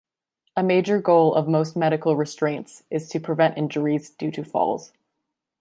A major goal of most medical restraints is to prevent injuries due to falls.